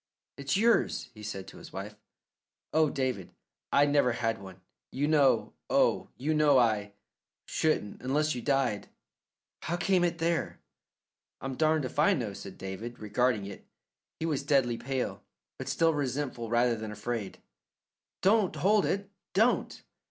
"It's yours," he said to his wife. "Oh, David, I never had one. You know, oh, you know I shouldn't unless you died. How came it there?" "I'm darned if I know," said David, regarding it. He was deadly pale, but still resentful rather than afraid. "Don't hold it; don't!"